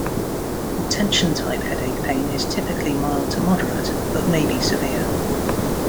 Tension-type headache pain is typically mild to moderate, but may be severe.